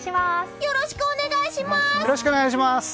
よろしくお願いします！